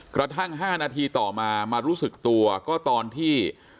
กระทั่ง๕นาทีต่อมามารู้สึกตัวก็ตอนที่